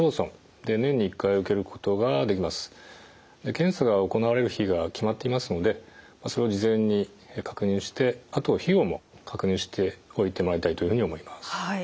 検査が行われる日が決まっていますのでそれを事前に確認してあとは費用も確認しておいてもらいたいというふうに思います。